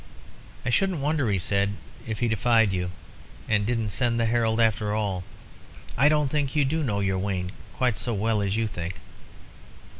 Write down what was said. "I shouldn't wonder," he said, "if he defied you, and didn't send the herald after all. I don't think you do know your Wayne quite so well as you think."